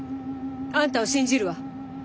あんたを信じるわ。